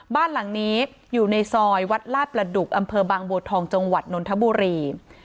บ้านหลังนี้อยู่ในซอยวัดลาดประดุกอำเภอบางบัวทองจังหวัดนนทบุรี